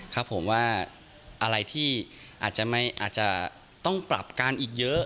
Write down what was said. ครับผมว่าอะไรที่อาจจะต้องปรับการอีกเยอะ